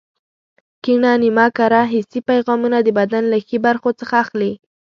کیڼه نیمه کره حسي پیغامونه د بدن له ښي برخو څخه اخلي.